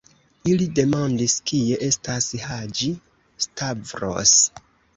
Ili demandis, kie estas Haĝi-Stavros.